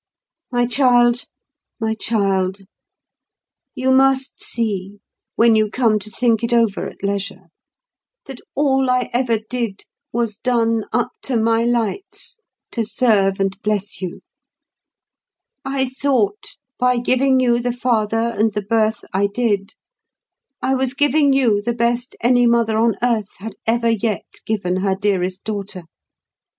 "My child, my child, you must see, when you come to think it over at leisure, that all I ever did was done, up to my lights, to serve and bless you. I thought, by giving you the father and the birth I did, I was giving you the best any mother on earth had ever yet given her dearest daughter.